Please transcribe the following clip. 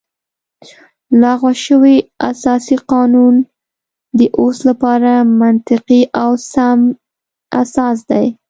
لغوه شوی اساسي قانون د اوس لپاره منطقي او سم اساس دی